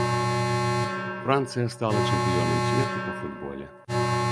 Францыя стала чэмпіёнам свету па футболе.